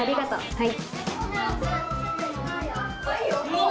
はい。